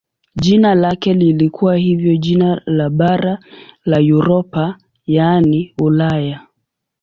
Jina lake lilikuwa hivyo jina la bara la Europa yaani Ulaya.